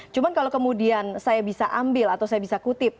cuma kalau kemudian saya bisa ambil atau saya bisa kutip